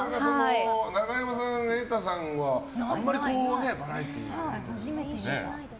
永山さん、瑛太さんはあんまりバラエティーって。